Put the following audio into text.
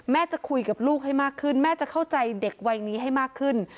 จะคุยกับลูกให้มากขึ้นแม่จะเข้าใจเด็กวัยนี้ให้มากขึ้น